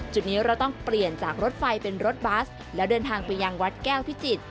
จุดนี้เราต้องเปลี่ยนจากรถไฟเป็นรถบัสแล้วเดินทางไปยังวัดแก้วพิจิตร